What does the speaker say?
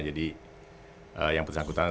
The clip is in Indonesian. jadi yang putus akutan